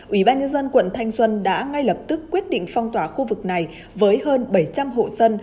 ủy ban nhân dân quận thanh xuân đã ngay lập tức quyết định phong tỏa khu vực này với hơn bảy trăm linh hộ dân